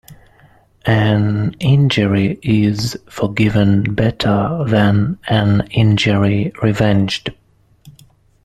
An injury is forgiven better than an injury revenged.